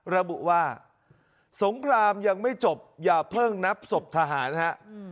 ระบุว่าสงครามยังไม่จบอย่าเพิ่งนับศพทหารฮะ